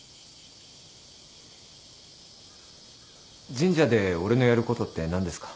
神社で俺のやることって何ですか？